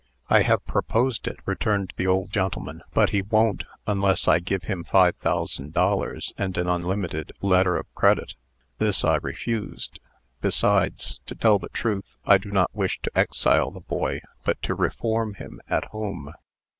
"I have proposed it," returned the old gentleman, "but he won't, unless I give him five thousand dollars, and an unlimited letter of credit. This I refused. Besides, to tell the truth, I do not wish to exile the boy, but to reform him at home."